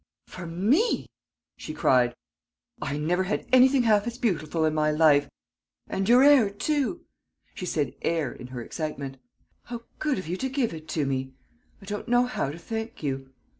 "For me!" she cried. "I never had anything half as beautiful in my life. And your 'air, too!" She said "'air" in her excitement. "How good of you to give it to me! I don't know how to thank you."